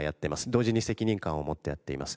同時に責任感を持ってやっています。